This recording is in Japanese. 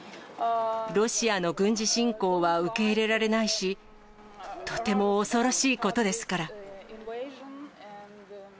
ロシアの軍事侵攻は受け入れられないし、とても恐ろしいことですから。